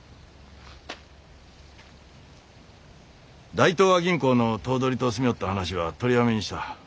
大東亜銀行の頭取と進みょおった話は取りやめにした。